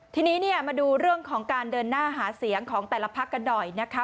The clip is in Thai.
ทีนี้มาดูเรื่องของการเดินหน้าหาเสียงของแต่ละพักกันหน่อยนะคะ